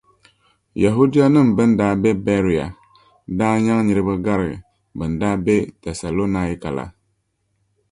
Yɛhudianim’ bɛn daa be Bɛria daa nyaŋ niriba gari bɛn daa be Tɛsalɔnaika la.